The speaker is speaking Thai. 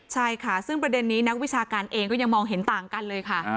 ใช่ค่ะซึ่งประเด็นนี้นักวิชาการเองก็ยังมองเห็นต่างกันเลยค่ะ